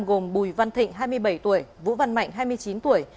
gồm bùi văn thịnh hai mươi bảy tuổi vũ văn mạnh hai mươi chín tuổi